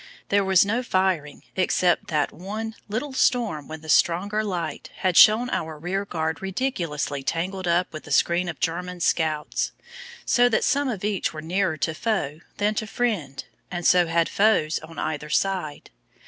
There was no firing except that one little storm when the stronger light had shown our rear guard ridiculously tangled up with a screen of German scouts so that some of each were nearer to foe than to friend and so had foes on either side.